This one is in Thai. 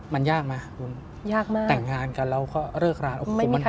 มันยากไหมอุ้น